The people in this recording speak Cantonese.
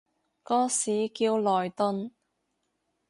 個市叫萊頓